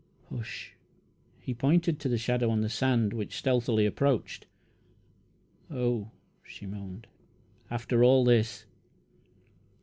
"Hush!" He pointed to the shadow on the sand, which stealthily approached. "Oh!" she moaned; "after all this!"